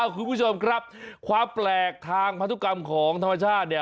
คุณผู้ชมครับความแปลกทางพันธุกรรมของธรรมชาติเนี่ย